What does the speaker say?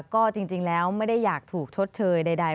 ก็จริงแล้วไม่ได้อยากถูกชดเชยใด